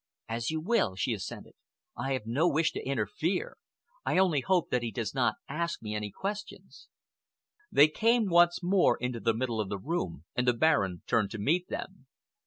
"As you will," she assented. "I have no wish to interfere. I only hope that he does not ask me any questions." They came once more into the middle of the room, and the Baron turned to meet them.